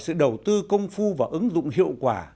sự đầu tư công phu và ứng dụng hiệu quả